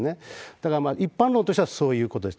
だから、一般論としてはそういうことです。